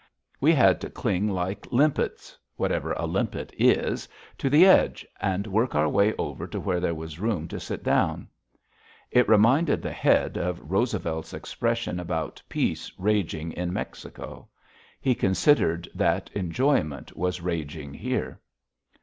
We had to cling like limpets whatever a limpet is to the edge, and work our way over to where there was room to sit down. It reminded the Head of Roosevelt's expression about peace raging in Mexico. He considered that enjoyment was raging here.